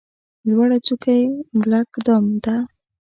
لوړه څوکه یې بلک دام ده.